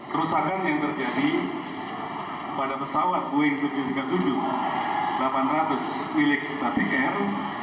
kerusakan yang terjadi pada pesawat boeing tujuh ratus tiga puluh tujuh delapan ratus milik batik air